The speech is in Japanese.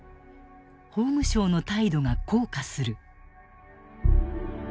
法務省の態度が硬化する。